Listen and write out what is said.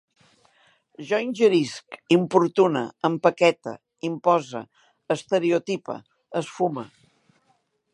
Jo ingerisc, importune, empaquete, impose, estereotipe, esfume